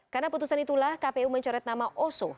karena putusan itulah kpu mencoret nama oso